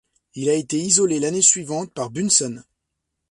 Il a été isolé l'année suivante par Bunsen.